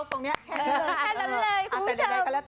แค่อยากจะเล่าตรงนี้แค่นั้นเลยคุณผู้ชม